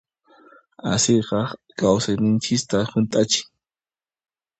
Asiyqa kawsayninchista hunt'achin.